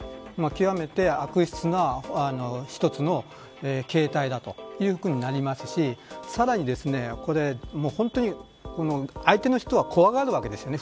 極めて悪質な一つの形態だというふうになりますしさらに本当に相手の人は怖がるわけですよね。